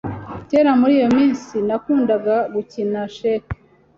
Kera muri iyo minsi, nakundaga gukina cheque.